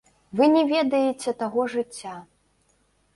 Вы не ведаеце таго жыцця.